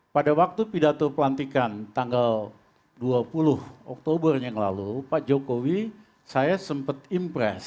pada waktu pidato pelantikan tanggal dua puluh oktober yang lalu pak jokowi saya sempat impress